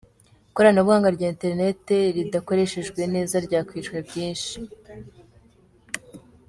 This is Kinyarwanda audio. Ikoranabuhanga rya internet ridakoreshejwe neza ryakwica byinshi.